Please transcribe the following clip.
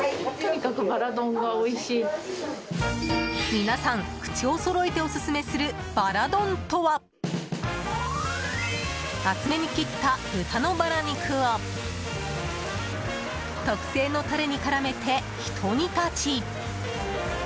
皆さん、口をそろえてオススメするバラ丼とは厚めに切った豚のバラ肉を特製のタレに絡めて、ひと煮立ち。